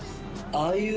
ああいう。